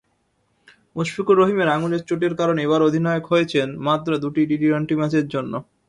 মুশফিকুর রহিমের আঙুলের চোটের কারণে এবারও অধিনায়ক হয়েছেন মাত্র দুটি টি-টোয়েন্টি ম্যাচের জন্য।